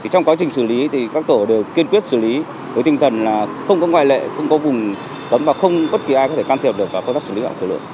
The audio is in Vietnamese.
trong quá trình xử lý thì các tổ đều kiên quyết xử lý với tinh thần là không có ngoài lệ không có vùng tấm và không bất kỳ ai có thể can thiệp được vào công tác xử lý hạng khởi lượng một trăm bốn mươi một